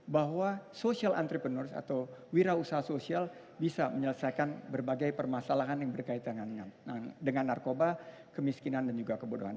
bahwa social entrepreneur atau wira usaha sosial bisa menyelesaikan berbagai permasalahan yang berkaitan dengan narkoba kemiskinan dan juga kebodohan